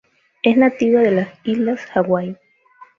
Es nativa de las Islas Hawaii.